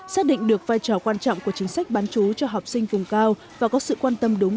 xác định được vai trò quan trọng của chính sách bán chú cho học sinh vùng cao và có sự quan tâm đúng